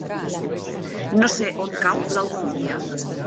No sé on cau l'Alcúdia.